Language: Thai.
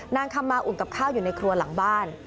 นางคำมาอุ่นกับข้าวอยู่ในครัวหลังบ้าน